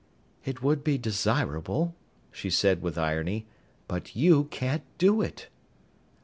"It would be desirable," she said with irony. "But you can't do it."